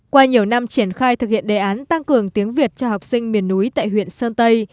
qua nhiều năm triển khai thực hiện đề án tăng cường tiếng việt cho học sinh miền núi tại huyện sơn tây